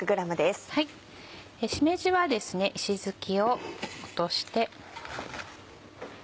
しめじは石づきを落として。